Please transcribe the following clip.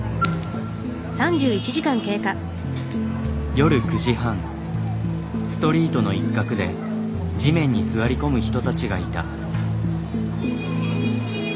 夜９時半ストリートの一角で地面に座り込む人たちがいた。